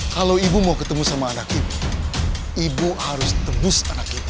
kalau ibu mau ketemu sama anak ibu ibu harus tembus anak kita